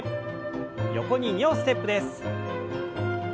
横に２歩ステップです。